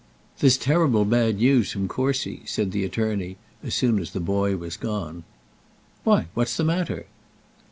"There's terrible bad news from Courcy," said the attorney, as soon as the boy was gone. "Why; what's the matter?"